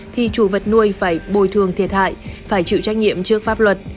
thì chủ vật nuôi phải bồi thường thiệt hại phải chịu trách nhiệm trước pháp luật